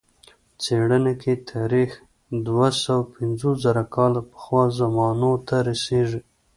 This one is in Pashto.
څېړنه کې تاریخ دوه سوه پنځوس زره کاله پخوا زمانو ته رسېږي.